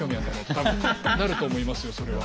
多分なると思いますよそれは。